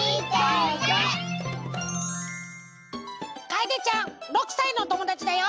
かえでちゃん６さいのおともだちだよ！